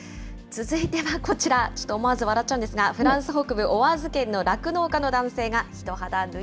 続いてはこちら、ちょっと思わず笑っちゃうんですが、フランス北部オワーズ県の酪農家の男性